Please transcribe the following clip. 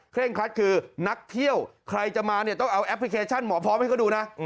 เร่งครัดคือนักเที่ยวใครจะมาเนี่ยต้องเอาแอปพลิเคชันหมอพร้อมให้เขาดูนะ